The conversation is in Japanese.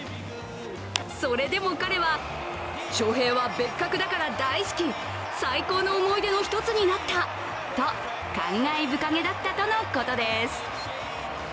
それでも彼は、ショウヘイは別格だから大好き、最高の思い出の一つになったと感慨深げだったとのことです。